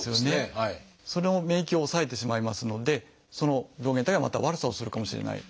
その免疫を抑えてしまいますのでその病原体がまた悪さをするかもしれない。